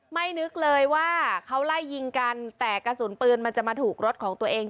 ไม่นึกเลยว่าเขาไล่ยิงกันแต่กระสุนปืนมันจะมาถูกรถของตัวเอง